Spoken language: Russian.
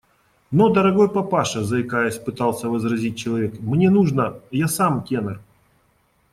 – Но, дорогой папаша, – заикаясь, пытался возразить человек, – мне нужно… я сам тенор.